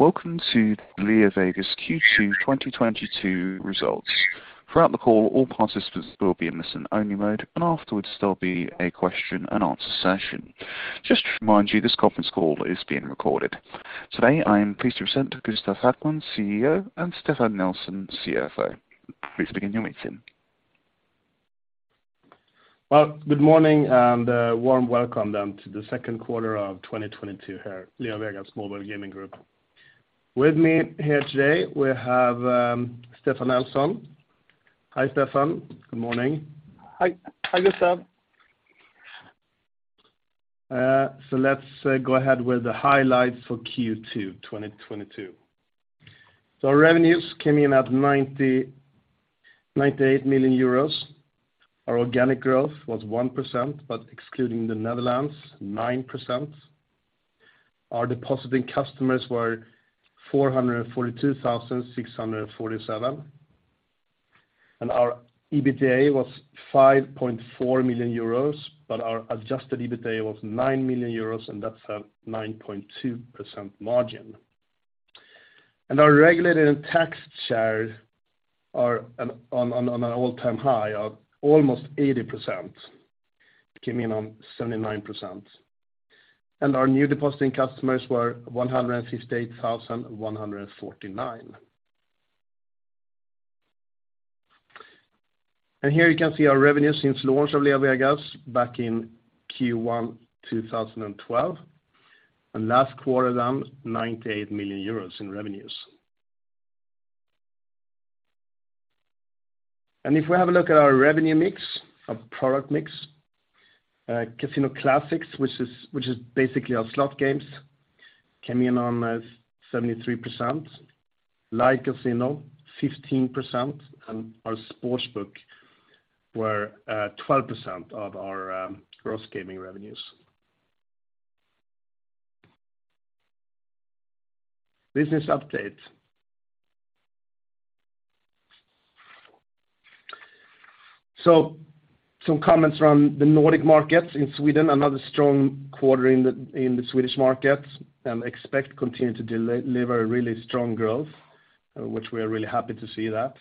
Welcome to LeoVegas Q2 2022 results. Throughout the call, all participants will be in listen-only mode, and afterwards, there'll be a question-and-answer session. Just to remind you, this conference call is being recorded. Today, I am pleased to present Gustaf Hagman, CEO, and Stefan Nelson, CFO. Please begin your meeting. Well, good morning, and warm welcome then to the second quarter of 2022 here, LeoVegas Mobile Gaming Group. With me here today, we have Stefan Nelson. Hi, Stefan. Good morning. Hi. Hi, Gustaf. Let's go ahead with the highlights for Q2 2022. Our revenues came in at 98 million euros. Our organic growth was 1%, but excluding the Netherlands, 9%. Our depositing customers were 442,647. Our EBITDA was 5.4 million euros, but our adjusted EBITDA was 9 million euros, and that's 9.2% margin. Our regulated and taxed shares are on an all-time high of almost 80%. It came in on 79%. Our new depositing customers were 158,149. Here you can see our revenue since launch of LeoVegas back in Q1 2012. Last quarter then, 98 million euros in revenues. If we have a look at our revenue mix, our product mix, casino classics, which is basically our slot games, came in on 73%. Live casino, 15%, and our sports book were 12% of our gross gaming revenues. Business update. Some comments from the Nordic markets in Sweden, another strong quarter in the Swedish market and Expekt continue to deliver really strong growth, which we are really happy to see that.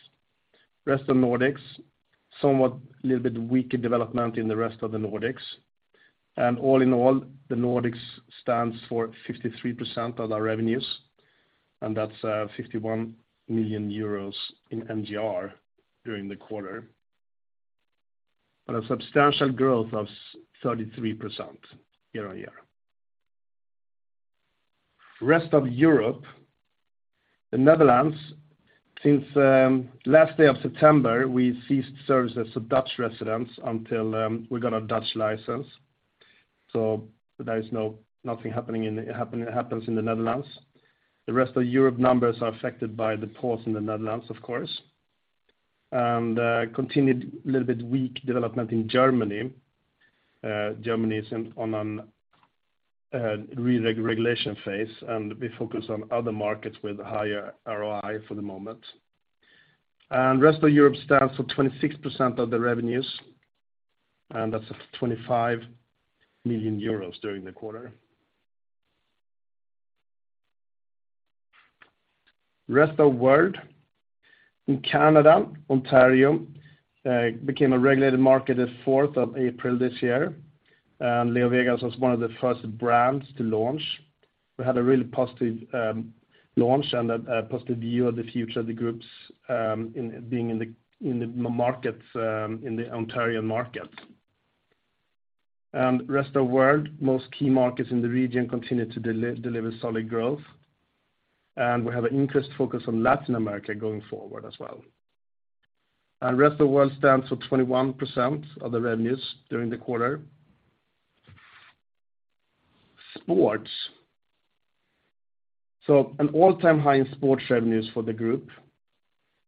Rest of Nordics, somewhat little bit weaker development in the rest of the Nordics. All in all, the Nordics stands for 53% of our revenues, and that's 51 million euros in MGR during the quarter. A substantial growth of 33% year-on-year. Rest of Europe, the Netherlands, since last day of September, we ceased services to Dutch residents until we got a Dutch license. There is nothing happens in the Netherlands. The rest of Europe numbers are affected by the pause in the Netherlands, of course. Continued little bit weak development in Germany. Germany is on an regulation phase, and we focus on other markets with higher ROI for the moment. Rest of Europe stands for 26% of the revenues, and that's 25 million euros during the quarter. Rest of world. In Canada, Ontario, became a regulated market the fourth of April this year, and LeoVegas was one of the first brands to launch. We had a really positive launch and a positive view of the future of the groups in being in the markets in the Ontario market. Rest of world, most key markets in the region continue to deliver solid growth. We have an increased focus on Latin America going forward as well. Rest of world stands for 21% of the revenues during the quarter. Sports. An all-time high in sports revenues for the group.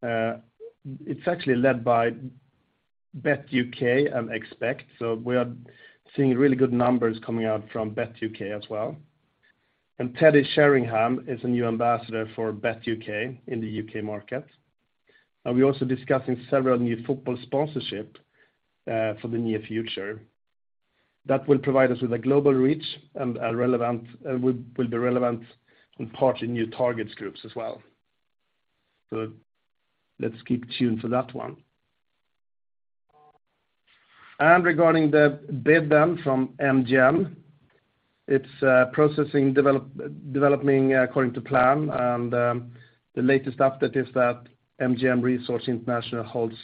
It's actually led by BetUK and Expekt. We are seeing really good numbers coming out from BetUK as well. Teddy Sheringham is a new ambassador for BetUK in the U.K. market. We're also discussing several new football sponsorship for the near future. That will provide us with a global reach and will be relevant in parts in new target groups as well. Let's keep tuned for that one. Regarding the bid then from MGM, it's progressing, developing according to plan. The latest update is that MGM Resorts International holds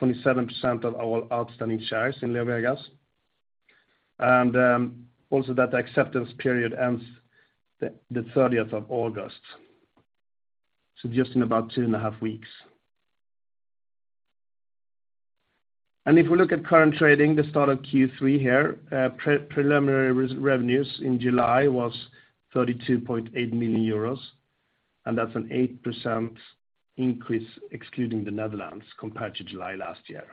27% of our outstanding shares in LeoVegas. Also that the acceptance period ends the thirtieth of August, so just in about two and a half weeks. If we look at current trading, the start of Q3 here, preliminary revenues in July was 32.8 million euros, and that's an 8% increase, excluding the Netherlands, compared to July last year.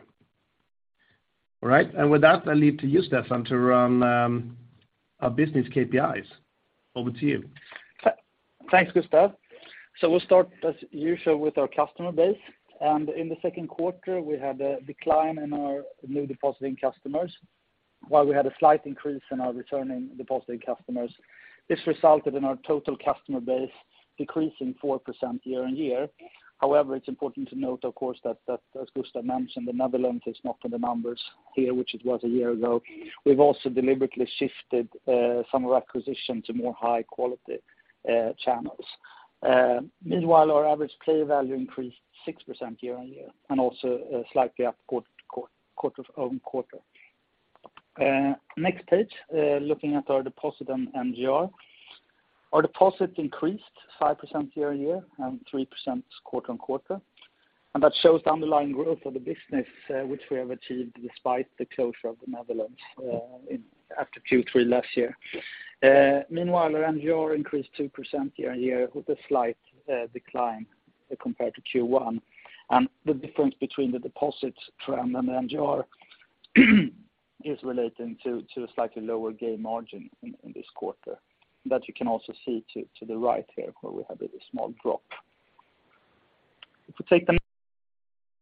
All right. With that, I leave to you, Stefan, to run our business KPIs. Over to you. Thanks, Gustaf. We'll start as usual with our customer base. In the second quarter, we had a decline in our new depositing customers. While we had a slight increase in our returning depositing customers. This resulted in our total customer base decreasing 4% year-on-year. However, it's important to note, of course, that as Gustaf mentioned, the Netherlands is not in the numbers here, which it was a year ago. We've also deliberately shifted some of our acquisition to more high quality channels. Meanwhile, our average pay value increased 6% year-on-year, and also slightly up quarter-on-quarter. Next page, looking at our deposit and MGR. Our deposit increased 5% year-on-year, and 3% quarter-on-quarter. That shows the underlying growth of the business, which we have achieved despite the closure of the Netherlands in-- after Q3 last year. Meanwhile, our MGR increased 2% year-on-year with a slight decline compared to Q1. The difference between the deposits trend and the MGR is relating to a slightly lower gaming margin in this quarter. That you can also see to the right here where we have a small drop. If we take the next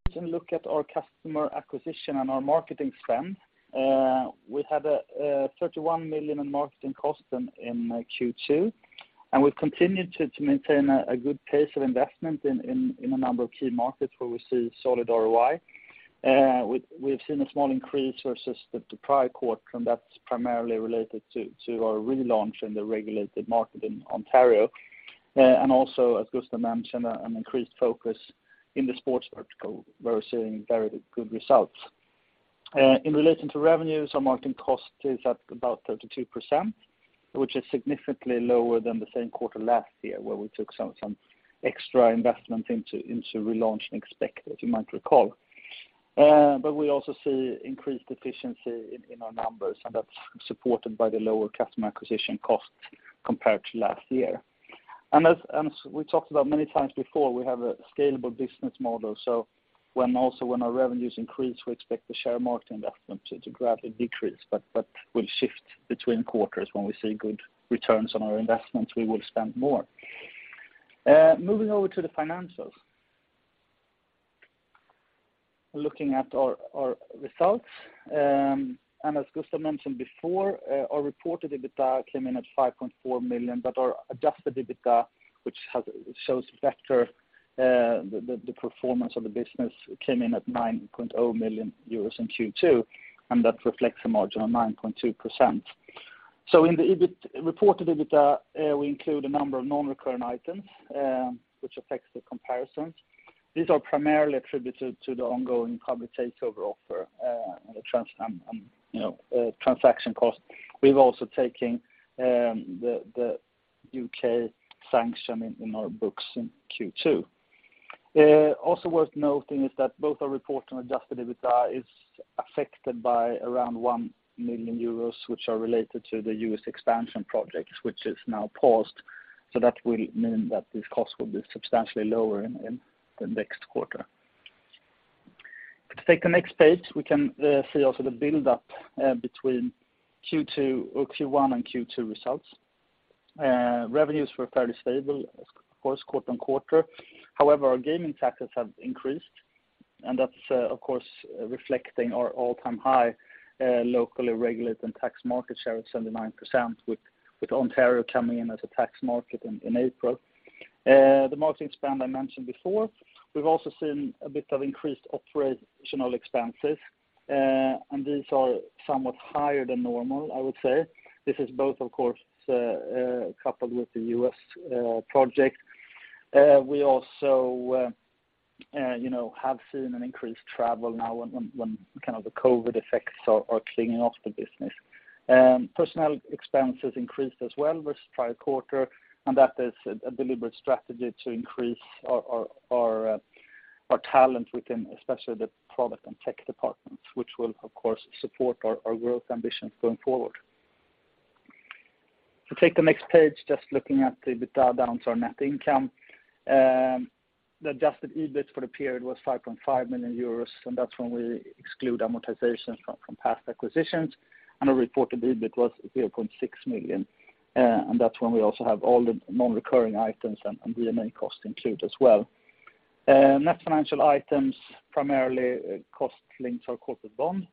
page and look at our customer acquisition and our marketing spend, we had 31 million in marketing costs in Q2. We've continued to maintain a good pace of investment in a number of key markets where we see solid ROI. We've seen a small increase versus the prior quarter, and that's primarily related to our relaunch in the regulated market in Ontario. As Gustaf mentioned, an increased focus in the sports vertical, we're seeing very good results. In relation to revenues, our marketing cost is at about 32%, which is significantly lower than the same quarter last year, where we took some extra investment into relaunch and Expekt, as you might recall. But we also see increased efficiency in our numbers, and that's supported by the lower customer acquisition cost compared to last year. As we talked about many times before, we have a scalable business model. When our revenues increase, we expect the share market investment to gradually decrease. We'll shift between quarters when we see good returns on our investments, we will spend more. Moving over to the financials. Looking at our results, and as Gustaf mentioned before, our reported EBITDA came in at 5.4 million, but our adjusted EBITDA, which shows better the performance of the business, came in at 9.0 million euros in Q2, and that reflects a margin of 9.2%. In the reported EBITDA, we include a number of non-recurring items, which affects the comparisons. These are primarily attributed to the ongoing public takeover offer, and the transaction, you know, transaction cost. We've also taken the U.K. sanction in our books in Q2. Also worth noting is that both our reported and adjusted EBITDA is affected by around 1 million euros, which are related to the U.S. expansion project, which is now paused. That will mean that these costs will be substantially lower in the next quarter. If we take the next page, we can see also the build-up between Q1 and Q2 results. Revenues were fairly stable, of course, quarter-on-quarter. However, our gaming taxes have increased, and that's, of course, reflecting our all-time high locally regulated and tax market share at 79%, with Ontario coming in as a tax market in April. The marketing spend I mentioned before, we've also seen a bit of increased operational expenses, and these are somewhat higher than normal, I would say. This is both, of course, coupled with the U.S. project. We also, you know, have seen an increased travel now when kind of the COVID effects are easing off the business. Personnel expenses increased as well this prior quarter, and that is a deliberate strategy to increase our talent within especially the product and tech departments, which will, of course, support our growth ambitions going forward. If we take the next page, just looking at the EBITDA down to our net income. The adjusted EBIT for the period was 5.5 million euros, and that's when we exclude amortizations from past acquisitions. Our reported EBIT was 0.6 million, and that's when we also have all the non-recurring items and D&A costs included as well. Net financial items, primarily costs linked to our corporate bond.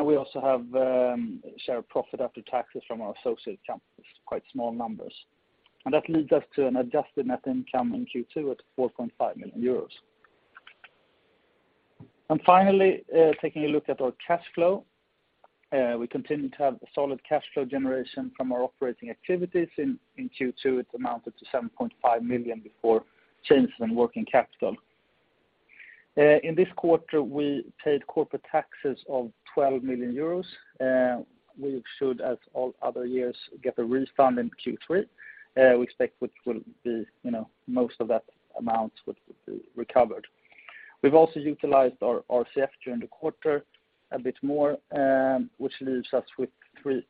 We also have share of profit after taxes from our associate companies, quite small numbers. That leads us to an adjusted net income in Q2 at 4.5 million euros. Finally, taking a look at our cash flow. We continue to have a solid cash flow generation from our operating activities. In Q2, it amounted to 7.5 million before changes in working capital. In this quarter, we paid corporate taxes of 12 million euros. We should, as all other years, get a refund in Q3. We expect which will be, you know, most of that amount would be recovered. We've also utilized our RCF during the quarter a bit more, which leaves us with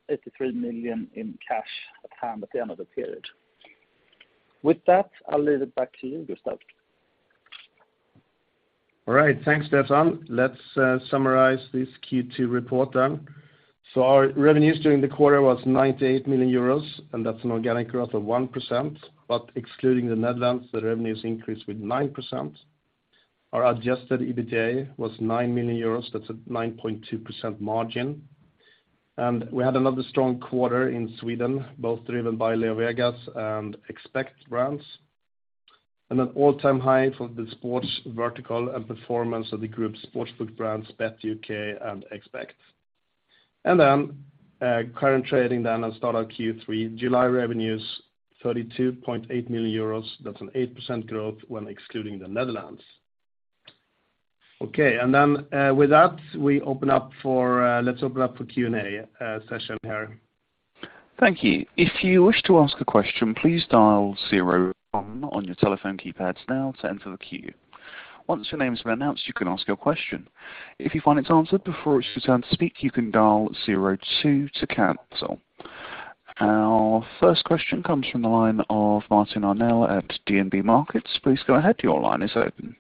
83 million in cash at hand at the end of the period. With that, I'll leave it back to you, Gustaf. All right. Thanks, Stefan. Let's summarize this Q2 report then. Our revenues during the quarter was 98 million euros, and that's an organic growth of 1%, but excluding the Netherlands, the revenues increased with 9%. Our adjusted EBITDA was 9 million euros. That's a 9.2% margin. We had another strong quarter in Sweden, both driven by LeoVegas and Expekt brands. An all-time high for the sports vertical and performance of the group sports book brands, BetUK and Expekt. Current trading and start our Q3 July revenues, 32.8 million euros. That's an 8% growth when excluding the Netherlands. Okay. With that, let's open up for Q&A session here. Thank you. If you wish to ask a question, please dial zero one on your telephone keypads now to enter the queue. Once your name's been announced, you can ask your question. If you find it answered before it's your turn to speak, you can dial zero two to cancel. Our first question comes from the line of Martin Arnell at DNB Markets. Please go ahead. Your line is open.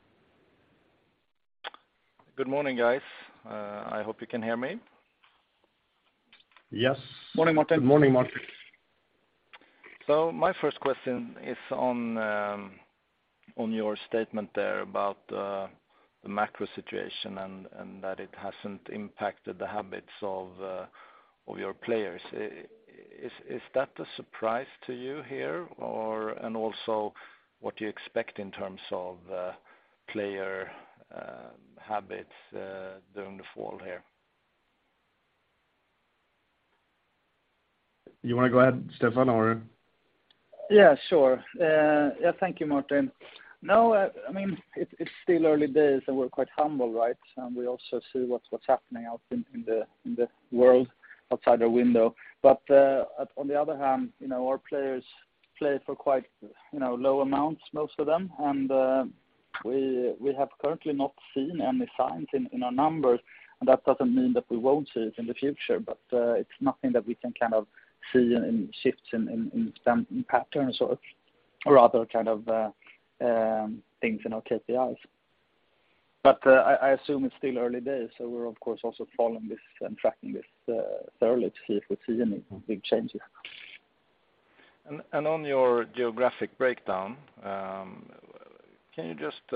Good morning, guys. I hope you can hear me. Yes. Morning, Martin. Good morning, Martin. My first question is on your statement there about the macro situation and that it hasn't impacted the habits of your players. Is that a surprise to you here? Or, and also, what do you expect in terms of player habits during the fall here? You wanna go ahead, Stefan, or? Yeah, sure. Yeah, thank you, Martin. No, I mean, it's still early days, and we're quite humble, right? We also see what's happening out in the world outside our window. On the other hand, you know, our players play for quite, you know, low amounts, most of them. We have currently not seen any signs in our numbers, and that doesn't mean that we won't see it in the future. It's nothing that we can kind of see in shifts in spend patterns or other kind of things in our KPIs. I assume it's still early days, so we're of course also following this and tracking this thoroughly to see if we see any big changes. On your geographic breakdown, can you just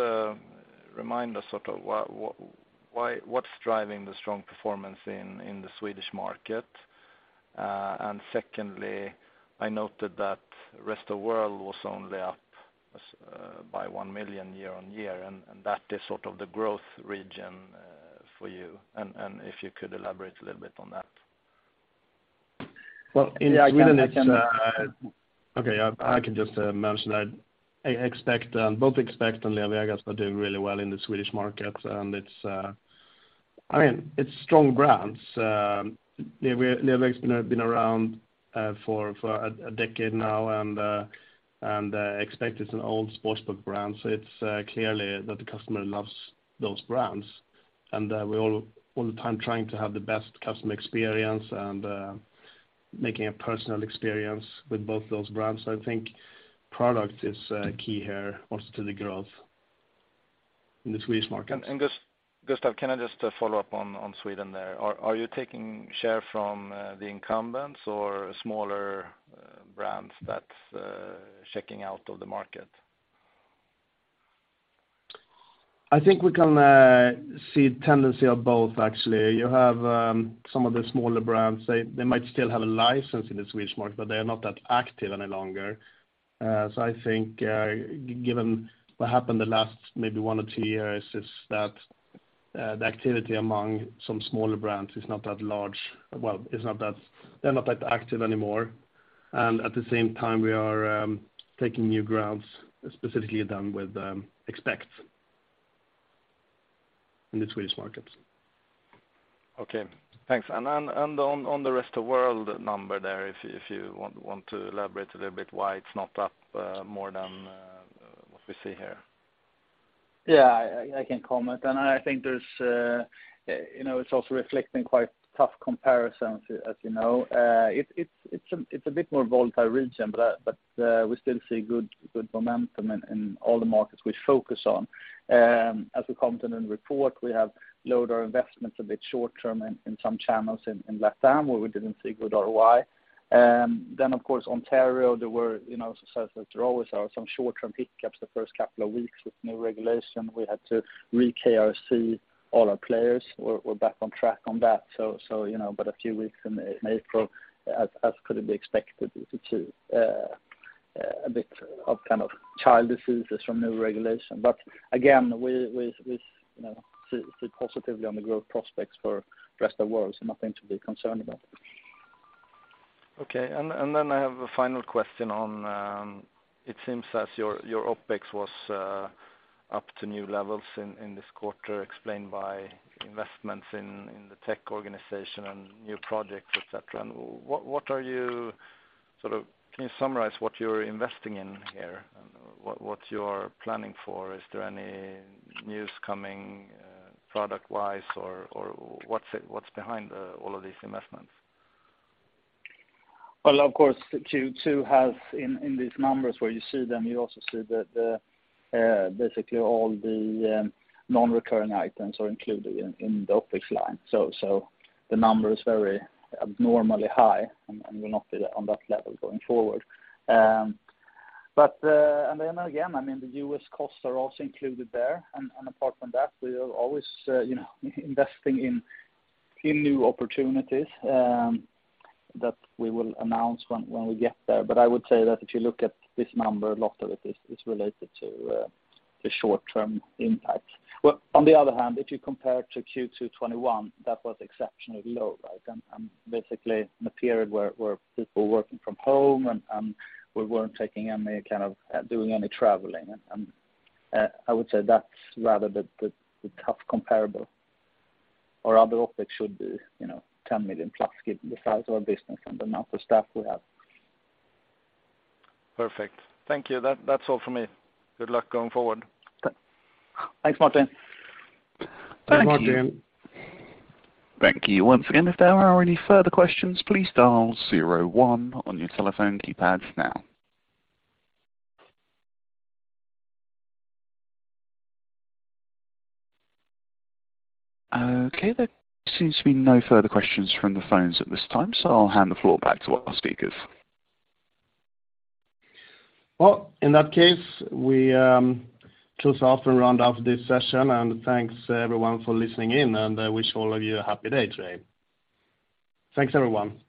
remind us sort of what's driving the strong performance in the Swedish market? Second, I noted that rest of world was only up by 1 million year-over-year, and that is sort of the growth region for you. If you could elaborate a little bit on that. Well. Yeah, I can. Okay, I can just mention that Expekt, both Expekt and LeoVegas are doing really well in the Swedish market. It's, I mean, it's strong brands. LeoVegas been around for a decade now, and Expekt is an old sportsbook brand. It's clearly that the customer loves those brands. We're all the time trying to have the best customer experience and making a personal experience with both those brands. I think product is key here also to the growth in the Swedish market. Gustaf, can I just follow up on Sweden there? Are you taking share from the incumbents or smaller brands that's checking out of the market? I think we can see tendency of both actually. You have some of the smaller brands. They might still have a license in the Swedish market, but they are not that active any longer. So I think, given what happened the last maybe one or two years is that, the activity among some smaller brands is not that large. They're not that active anymore. At the same time, we are taking new grounds, specifically then with Expekt in the Swedish markets. Okay. Thanks. On the rest of world number there, if you want to elaborate a little bit why it's not up more than what we see here. Yeah. I can comment. I think there's, you know, it's also reflecting quite tough comparisons, as you know. It's a bit more volatile region, but we still see good momentum in all the markets we focus on. As we commented in the report, we have lowered our investments a bit short-term in some channels in LatAm, where we didn't see good ROI. Of course, Ontario, there were, you know, as there always are some short-term hiccups the first couple of weeks with new regulation. We had to re-KYC all our players. We're back on track on that. You know, a few weeks in April as could be expected due to a bit of kind of child diseases from new regulation. Again, we, you know, see positively on the growth prospects for rest of world, so nothing to be concerned about. Okay. I have a final question on it seems as your OpEx was up to new levels in this quarter explained by investments in the tech organization and new projects, et cetera. Can you summarize what you're investing in here and what you're planning for? Is there any news coming product-wise or what's behind all of these investments? Well, of course, Q2, as in these numbers where you see them, you also see that basically all the non-recurring items are included in the OpEx line. The number is very abnormally high and will not be on that level going forward. And then again, I mean, the U.S. costs are also included there. Apart from that, we are always, you know, investing in new opportunities that we will announce when we get there. I would say that if you look at this number, a lot of it is related to the short-term impact. Well, on the other hand, if you compare to Q2 2021, that was exceptionally low, right? Basically in a period where people working from home and we weren't taking any kind of doing any traveling. I would say that's rather the tough comparable. Our other OpEx should be, you know, 10 million plus given the size of our business and the amount of staff we have. Perfect. Thank you. That's all for me. Good luck going forward. Thanks. Thanks, Martin. Thank you. Thank you. Once again, if there are any further questions, please dial zero one on your telephone keypads now. Okay, there seems to be no further questions from the phones at this time, so I'll hand the floor back to our speakers. Well, in that case, we close off and round off this session. Thanks, everyone, for listening in, and I wish all of you a happy day today. Thanks, everyone.